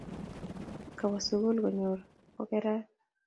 Kawo sukul konyor ko kerat